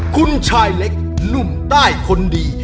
คุณชายเล็กหนุ่มใต้คนดี